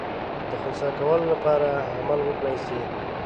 د خنثی کولو لپاره عمل وکړای سي.